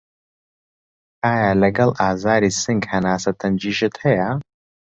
ئایا لەگەڵ ئازاری سنگ هەناسه تەنگیشت هەیە؟